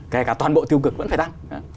kể cả toàn bộ tiêu cực vẫn phải tăng